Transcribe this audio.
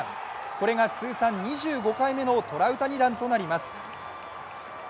これが通算２５回目のトラウタニ弾となります。